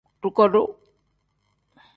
Dukuru.